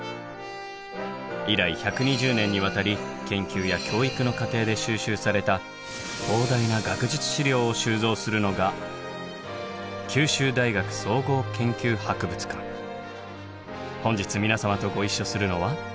以来１２０年にわたり研究や教育の過程で収集された膨大な学術資料を収蔵するのが本日皆様とご一緒するのは。